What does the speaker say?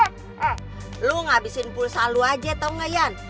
eh lu ngabisin pulsa lu aja tau gak iyan